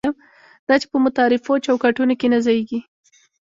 دا چې په متعارفو چوکاټونو کې نه ځایېږي.